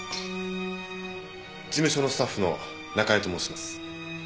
事務所のスタッフの中江と申します。